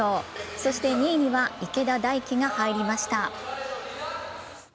そして２位には池田が入りました。